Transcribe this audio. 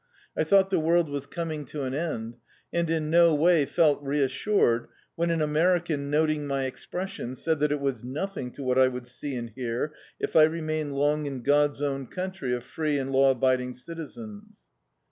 I thought the world was coming to an end, and in no way felt reassured when an American, noting my expression, said that it was nothing to what I would see and hear if I remained long in God's own country of free and law abiding citizens.